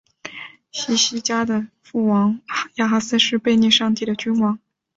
希西家的父亲亚哈斯是一个背逆上帝的君王。